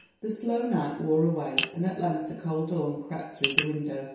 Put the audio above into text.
The slow night wore away, and at length the cold dawn crept through the window.